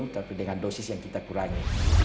tapi dengan dosis yang kita kurangi